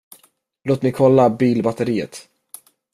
Låt mig kolla bilbatteriet.